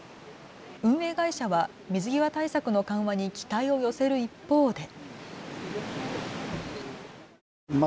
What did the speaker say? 運営会社は水際対策の緩和に期待を寄せる一方で。